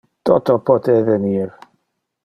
Toto pote evenir.